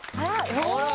あら！